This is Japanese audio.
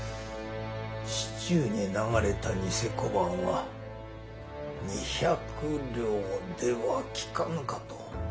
市中に流れた贋小判は二百両ではきかぬかと。